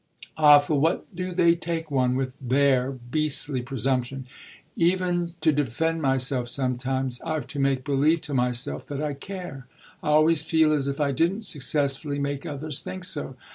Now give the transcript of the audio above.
Ah for what do they take one, with their beastly presumption? Even to defend myself sometimes I've to make believe to myself that I care. I always feel as if I didn't successfully make others think so.